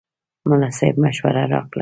ملا صاحب مشوره راکړه.